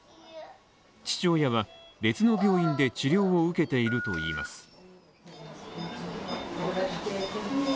父親は別の病院で治療を受けているといいます。